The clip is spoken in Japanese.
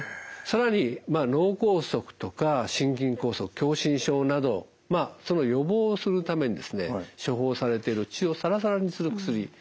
更に脳梗塞とか心筋梗塞狭心症などその予防をするために処方されている血をサラサラにする薬